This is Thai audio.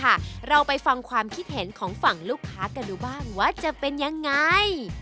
แต่มากรุงเทพฯครั้งแรกที่มาเป็นอย่างไร